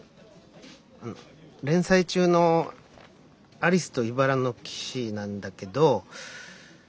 連載中の「アリスといばらの騎士」なんだけど。